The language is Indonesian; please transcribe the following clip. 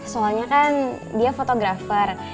soalnya kan dia fotografer